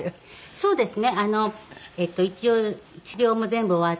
そうですか。